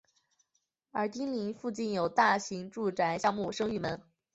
而毗邻附近有大型住宅项目升御门。